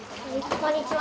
こんにちは。